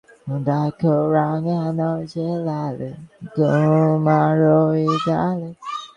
পুরো গ্রীষ্মকাল টাই গেছে গু মার্কা কাজ করে করে।